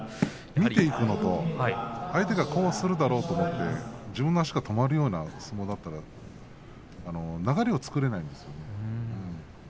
見ていくのと相手がこうするだろうと思って自分の足が止まるような相撲だったら、流れを作れないんです。